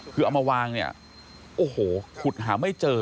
คือเอามาวางขุดหาไม่เจอ